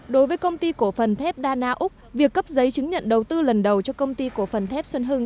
đối với công ty cổ phần thép đa na úc việc cấp giấy chứng nhận đầu tư lần đầu cho công ty cổ phần thép xuân hưng